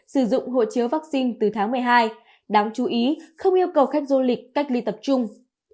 sử dụng hộ chiếu vaccine từ tháng một mươi hai đáng chú ý không yêu cầu khách du lịch cách ly tập trung